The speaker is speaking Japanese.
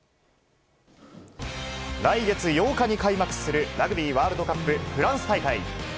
来月８日に開幕するラグビーワールドカップフランス大会。